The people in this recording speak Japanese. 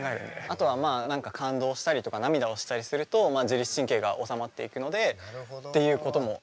あとはまあ何か感動したりとか涙をしたりすると自律神経がおさまっていくのでっていうことも。